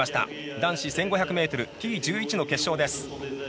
男子１５００ｍ、Ｔ１１の決勝です。